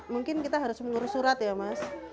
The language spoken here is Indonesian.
mungkin kita harus mengurus surat ya mas